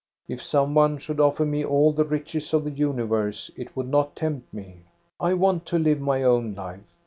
If some one should offer me all the riches of the universe, it would not tempt me. I want to live my own life.